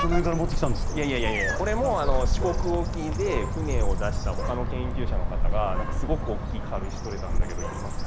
いやいやこれも四国沖で船を出したほかの研究者の方が何かすごく大きい軽石採れたんだけどいりますか？